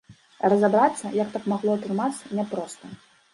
Разабрацца, як так магло атрымацца, няпроста.